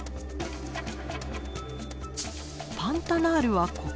パンタナールはここ。